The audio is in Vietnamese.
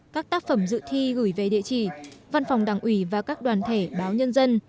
các tác phẩm dự thi gửi về địa chỉ văn phòng đảng ủy và các đoàn thể báo nhân dân